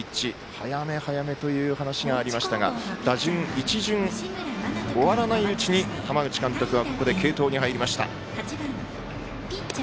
早め早めという話がありましたが打順１巡、終わらないうちに浜口監督はここで継投に入りました。